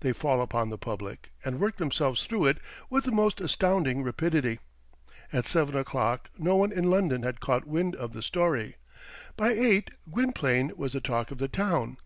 They fall upon the public, and work themselves through it with the most astounding rapidity. At seven o'clock no one in London had caught wind of the story; by eight Gwynplaine was the talk of the town.